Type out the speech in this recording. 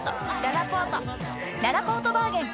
ららぽーとバーゲン開催！